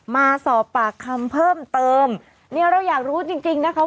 มาสอบปากคำเพิ่มเติมเนี่ยเราอยากรู้จริงจริงนะคะ